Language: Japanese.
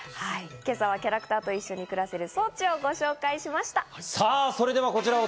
今朝はキャラクターと一緒に暮らせる装置をご紹介しました。